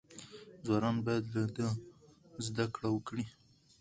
ځوانان باید له ده زده کړه وکړي.